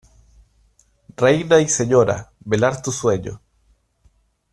reina y señora, velar tu sueño.